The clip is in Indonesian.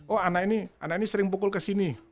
oh anak ini sering pukul kesini